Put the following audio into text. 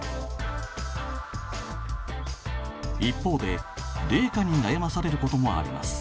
一方で冷夏に悩まされることもあります。